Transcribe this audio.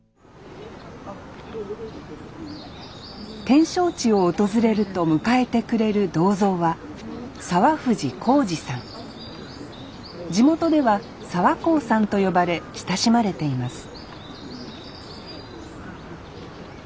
展勝地を訪れると迎えてくれる銅像は地元では澤幸さんと呼ばれ親しまれています